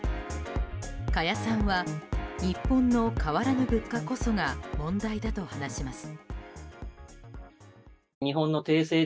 加谷さんは日本の変わらぬ物価こそが問題だと話します。